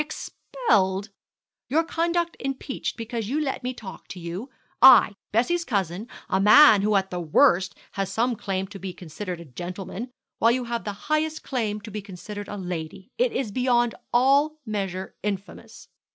Expelled! Your conduct impeached because you let me talk to you I, Bessie's cousin, a man who at the worst has some claim to be considered a gentleman, while you have the highest claim to be considered a lady. It is beyond all measure infamous.'